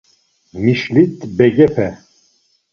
Mişlit begepe.